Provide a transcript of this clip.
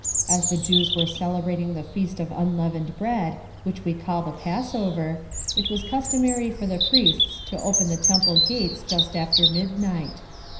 As the Jews were celebrating the feast of unleavened bread, which we call the Passover, it was customary for the priests to open the temple gates just after midnight.